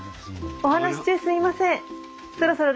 お話し中すいません。